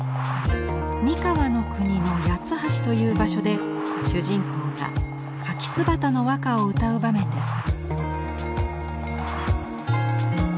三河国の八橋という場所で主人公がカキツバタの和歌を歌う場面です。